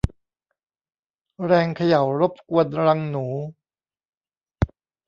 แรงเขย่ารบกวนรังหนู